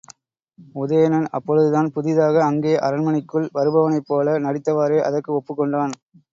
உதயணன் அப்பொழுதுதான் புதிதாக அங்கே அரண்மனைக்குள் வருபவனைப்போல நடித்தவாறே அதற்கு ஒப்புக் கொண்டான்.